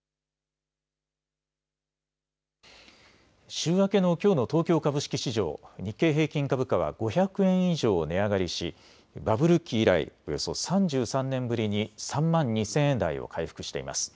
週明けのきょうの東京株式市場、日経平均株価は５００円以上値上がりしバブル期以来およそ３３年ぶりに３万２０００円台を回復しています。